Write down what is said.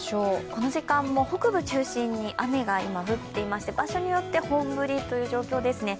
この時間も北部中心に雨が今、降っていまして、場所によって本降りという状況ですね。